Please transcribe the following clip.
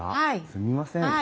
すみません。